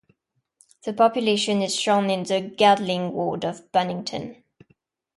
The population is shown in the Gedling ward of Bonington.